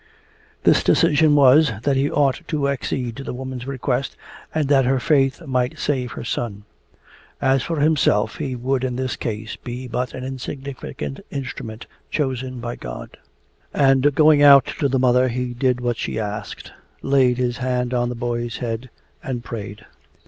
This decision was, that he ought to accede to the woman's request and that her faith might save her son. As for himself, he would in this case be but an insignificant instrument chosen by God. And going out to the mother he did what she asked laid his hand on the boy's head and prayed.